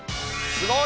すごい。